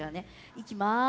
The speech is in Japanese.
いきます。